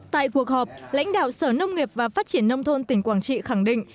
tại cuộc họp lãnh đạo sở nông nghiệp và phát triển nông thôn tỉnh quảng trị khẳng định